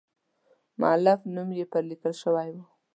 د مؤلف نوم یې پر لیکل شوی و.